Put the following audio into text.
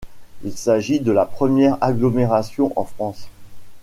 Il s'agit de la première agglomération en France.